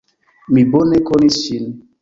Mi bone konis ŝin.